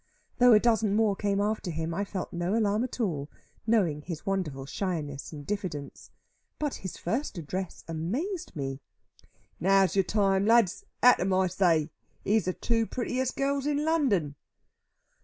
Though a dozen more came after him, I felt no alarm at all, knowing his wonderful shyness and diffidence. But his first address amazed me. "Now's your time, lads. At 'em, I say. Here's the two prettiest gals in London."